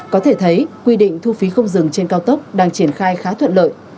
có thể thấy quy định thu phí không dừng trên cao tốc đang triển khai khá thuận lợi